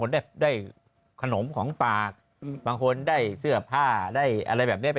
ได้ขนมของปากบางคนได้เสื้อผ้าได้อะไรแบบนี้